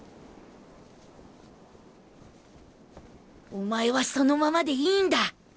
お前はそのままでいいんだ！